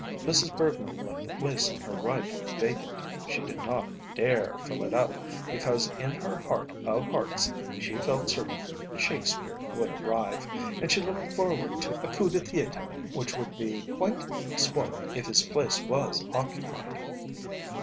Mrs. Bergmann left the place on her right vacant; she did not dare fill it up, because in her heart of hearts she felt certain Shakespeare would arrive, and she looked forward to a coup de theatre, which would be quite spoilt if his place was occupied.